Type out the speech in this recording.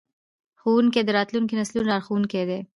ښوونکي د راتلونکو نسلونو لارښوونکي دي.